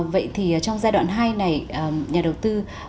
vậy thì trong giai đoạn hai này nhà đầu tư